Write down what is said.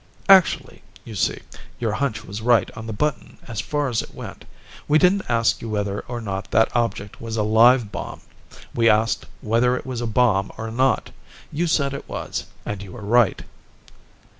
"Actually, you see, your hunch was right on the button as far as it went. We didn't ask you whether or not that object was a live bomb. We asked whether it was a bomb or not. You said it was, and you were right."